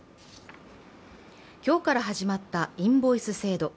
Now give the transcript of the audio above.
今日から始まったインボイス制度。